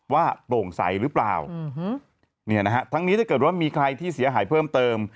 โปร่งใสหรือเปล่าเนี่ยนะฮะทั้งนี้ถ้าเกิดว่ามีใครที่เสียหายเพิ่มเติม